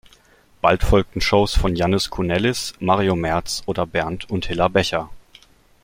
Bald folgten Shows von Jannis Kounellis, Mario Merz oder Bernd und Hilla Becher.